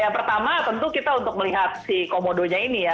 pertama tentu kita untuk melihat si komodonya ini ya